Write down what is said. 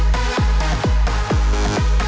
dasar batu bata